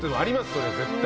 それは絶対。